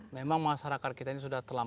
memang masyarakat kita ini sudah terlambat